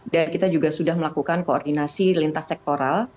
dan kita juga sudah melakukan koordinasi lintas sektoral